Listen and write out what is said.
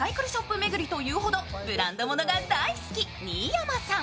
巡りというほどブランドものが大好き新山さん。